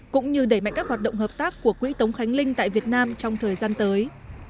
cũng như đẩy mạnh các hoạt động hợp tác của quỹ tống khánh linh tại việt nam trong thời gian tới